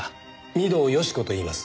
御堂好子と言います。